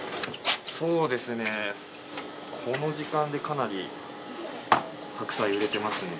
そうですね、この時間でかなり白菜売れていますね。